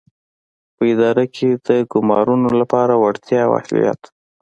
په اداره کې د ګومارنو لپاره وړتیا او اهلیت.